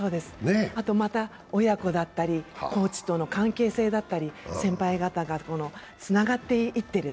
あと親子だったり、コーチとの関係性だったり、先輩方がつながっていってる。